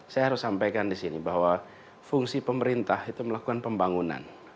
saya harus sampaikan di sini bahwa fungsi pemerintah itu melakukan pembangunan